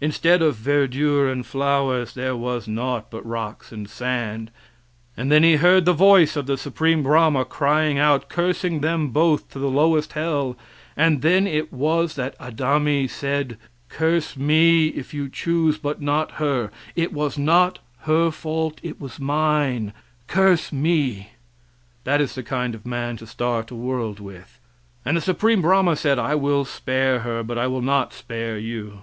Instead of verdure and flowers there was naught but rocks and sand, and then he heard the voice of the Supreme Brahma crying out cursing them both to the lowest hell, and then it was that Adami said: "Curse me, if you choose, but not her; it was not her fault, it was mine; curse me." That is the kind of a man to start a world with. And the Supreme Brahma said "I will spare her, but I will not spare you."